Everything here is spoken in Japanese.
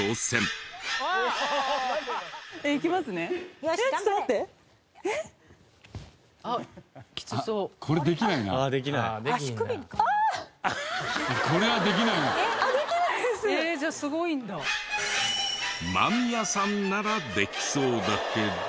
間宮さんならできそうだけど。